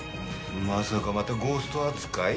まさかまたゴースト扱い？